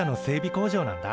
工場なんだ。